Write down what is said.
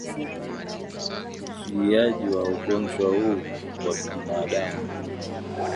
Uzuiaji wa ugonjwa huu kwa binadamu